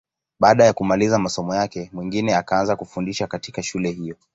Baada ya kumaliza masomo yake, Mwingine akaanza kufundisha katika shule hiyo.